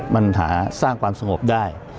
มันหาสร้างความสงบได้